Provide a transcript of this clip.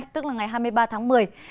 tức là ngày hai mươi ba tháng một mươi